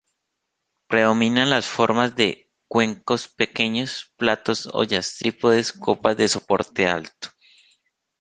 Predominan las formas de cuencos pequeños, platos, ollas trípodes, copas de soporte alto.